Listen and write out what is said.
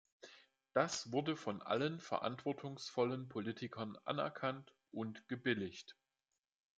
Das wurde von allen verantwortungsvollen Politikern anerkannt und gebilligt.